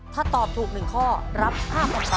ถ้าตอบถูก๑ข้อรับ๕๐๐๐บาท